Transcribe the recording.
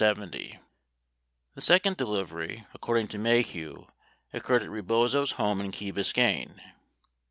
62 The second delivery, according to Maheu, occurred at Rebozo's home in Key Biscayne.